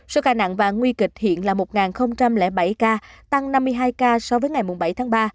số ca nặng và nguy kịch hiện là một bảy ca tăng năm mươi hai ca so với ngày bảy tháng ba